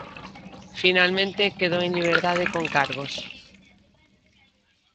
Finalmente quedou en liberdade con cargos.